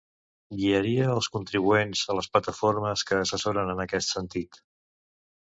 Guiarà els contribuents a les plataformes que assessoren en aquest sentit.